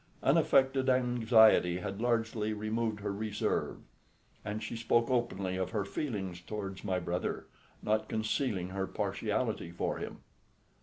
Unaffected anxiety had largely removed her reserve, and she spoke openly of her feelings towards my brother, not concealing her partiality for him.